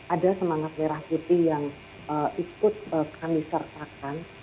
ada semangat merah putih yang ikut kami sertakan